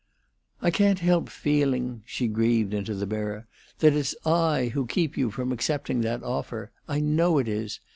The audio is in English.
"I can't help feeling," she grieved into the mirror, "that it's I who keep you from accepting that offer. I know it is!